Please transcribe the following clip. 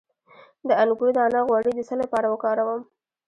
د انګور دانه غوړي د څه لپاره وکاروم؟